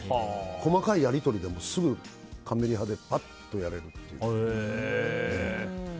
細かいやり取りでもすぐカメリハでパッとやれるっていう。